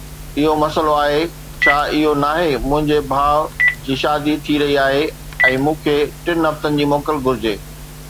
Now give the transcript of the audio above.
اهو مسئلو آهي، ڇا اهو ناهي؟ منهنجي ڀاء جي شادي ٿي رهي آهي ۽ مون کي ٽن هفتن جي موڪل گهرجي.